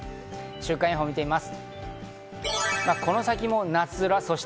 週間予報を見てみます。